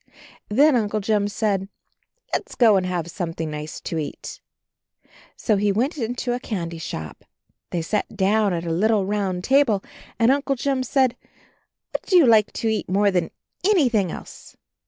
Then Uncle Jim said, "Let's go and have something nice to eat." So he went into a candy shop. They sat down at a little round table, and Uncle Jim said, "What do you like to eat more than anything else?"